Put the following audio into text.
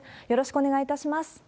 よろしくお願いします。